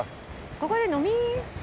ここで飲み。